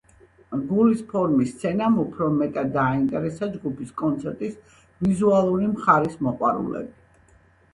გულის ფორმის სცენამ უფრო მეტად დააინტერესა ჯგუფის კონცერტების ვიზუალური მხარის მოყვარულები.